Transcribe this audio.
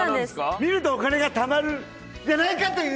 見るとお金がたまるんじゃないかというね。